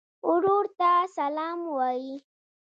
ورور ته سلام وایې.